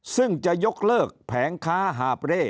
ซึ่งจะยกเลิกแผงค้าหาบเร่